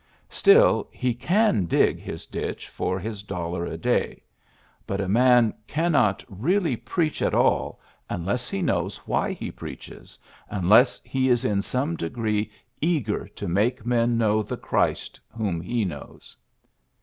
Still, he can dig his ditch for his dollar a day. But a man cannot really preach at all unless he 66 PHILLIPS BEOOKS knows why lie preaches, unless he is in some degree eager to make men know the Christ whom he knows.